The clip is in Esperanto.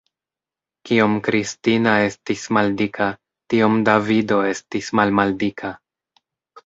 Kiom Kristina estis maldika, tiom Davido estis malmaldika.